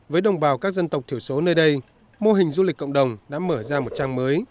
với đồng bào các dân tộc thiểu số nơi đây mô hình du lịch cộng đồng đã mở ra một trang mới